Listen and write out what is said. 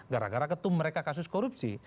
gara gara ketum mereka kasus korupsi